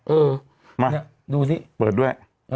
เออมาสิดูสิเปิดด้วย